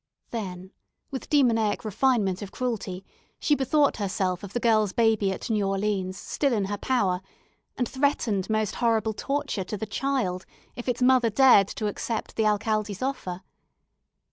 Then, with demoniac refinement of cruelty, she bethought herself of the girl's baby at New Orleans still in her power, and threatened most horrible torture to the child if its mother dared to accept the alcalde's offer.